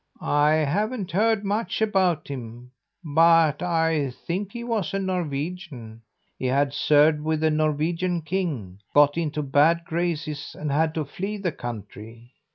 "I haven't heard much about him, but I think he was a Norwegian. He had served with a Norwegian king, got into his bad graces, and had to flee the country.